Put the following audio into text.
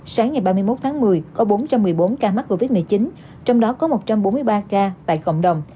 sáng ngày ba mươi một tháng một mươi có bốn trăm một mươi bốn ca mắc covid một mươi chín trong đó có một trăm bốn mươi ba ca tại cộng đồng